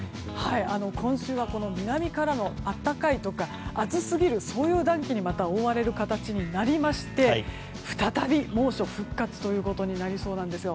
今週は南からの暖かいというか暑すぎるというそういう暖気にまた覆われる形になりまして再び猛暑復活となりそうなんです。